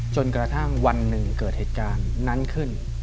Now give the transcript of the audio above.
จนกระทั่งวันหนึ่งเกิดเหตุการณ์นั้นขึ้น